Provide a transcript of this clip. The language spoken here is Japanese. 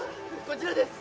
こちらです